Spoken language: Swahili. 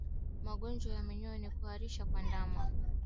Magonjwa ya Minyoo na kuharisha kwa Ndama yameangaziwa hapa